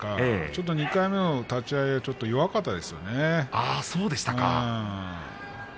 ２回目の立ち合い弱かったですね。